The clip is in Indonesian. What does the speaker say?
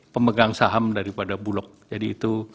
pemegang saham daripada bulog jadi itu